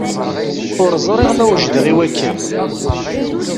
Ur ẓriɣ ma wejdeɣ i wakken.